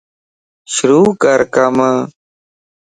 شروع ڪر ڪم